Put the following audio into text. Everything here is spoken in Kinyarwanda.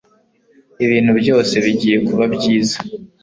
Ibintu byose bigiye kuba byiza